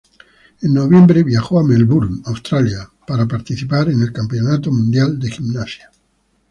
En noviembre viajó a Melbourne, Australia, para participar en el Campeonato Mundial de Gimnasia.